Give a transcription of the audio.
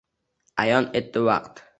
Ayon etdi vaqt —